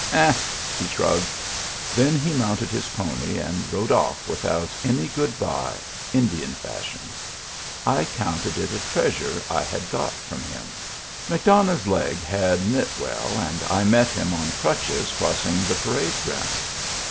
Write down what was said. *' H6 1 " he shrugged. Then he mounted his pony, and rode ofif without any "good by," Indian fashion. I counted it a treasure I had got from him. McDonough's leg had knit well, and I met him on crutches crossing the parade ground.